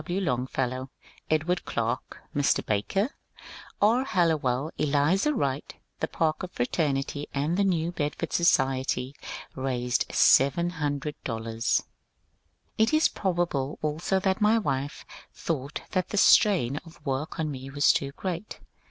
W. Longfellow, Edward Clarke, Mr. Barker, R. Hallowell, Elizur Wright, the (Parker) Fra temity, the New Bedford Society raised $700." It is probable also that my wife thought that the strain of work on me was too great.